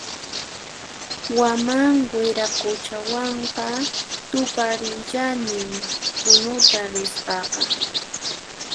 Waman Wiraquchawanqa tuparullanin Punuta rispaqa